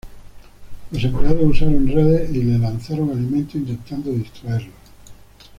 Los empleados usaron redes y le lanzaron alimento intentando distraerlo.